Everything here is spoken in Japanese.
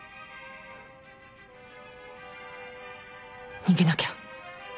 逃げなきゃ。